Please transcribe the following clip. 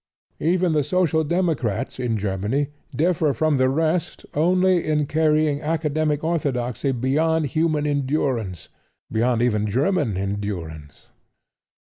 Even the Social Democrats in Germany differ from the rest only in carrying academic orthodoxy beyond human endurance beyond even German endurance.